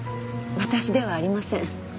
私ではありません。